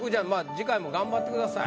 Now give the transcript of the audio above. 次回も頑張ってください。